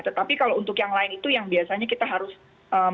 tetapi kalau untuk yang lain itu yang biasanya kita harus mencari